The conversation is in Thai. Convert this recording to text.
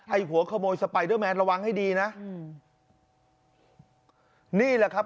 หัวขโมยสไปเดอร์แมนระวังให้ดีนะอืมนี่แหละครับ